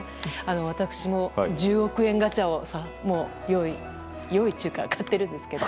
私も１０億円ガチャを用意っていうか買ってるんですけど。